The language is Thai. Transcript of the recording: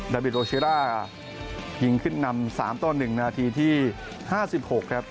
บิโรชิล่ายิงขึ้นนำ๓ต่อ๑นาทีที่๕๖ครับ